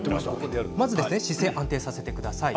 まず姿勢を安定させてください。